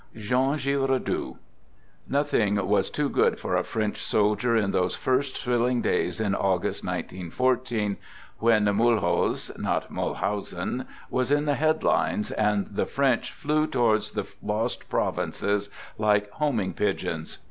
JEAN GIRAUDOUX Nothing was too good for a French soldier in those first thrilling days in August, 1914, when Mulhouse (not Mulhausen) was in the headlines, and the French flew towards the lost provinces like homing pigeons.